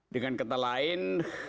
dengan kata lain